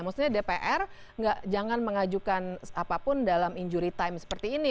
maksudnya dpr jangan mengajukan apapun dalam injury time seperti ini